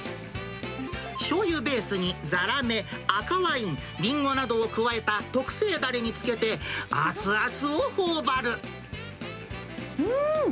しょうゆベースに、ザラメ、赤ワイン、りんごなどを加えた特製だれにつけて、うーん！